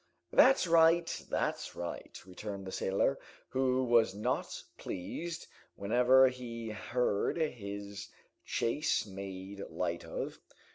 "That's right, that's right," returned the sailor, who was not pleased whenever he heard his chase made light of.